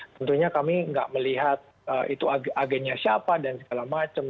tentunya kami tidak melihat itu agennya siapa dan segala macam